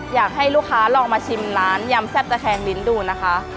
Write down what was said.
อยากให้ลูกค้าลองมาชิมร้านยำแซ่บตะแคงมิ้นดูนะคะ